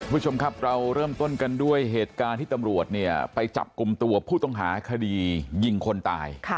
คุณผู้ชมครับเราเริ่มต้นกันด้วยเหตุการณ์ที่ตำรวจเนี่ยไปจับกลุ่มตัวผู้ต้องหาคดียิงคนตาย